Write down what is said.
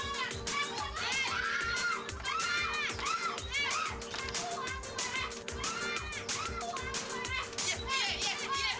sampai jumpa di video selanjutnya